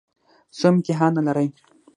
څو امتحانه لرئ؟